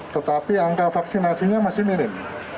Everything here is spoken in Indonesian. tetapi angka vaksinasinya masih minim